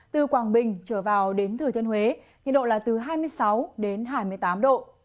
từ quảng bình trở vào đến thừa thiên huế nhiệt độ là từ hai mươi sáu hai mươi tám độ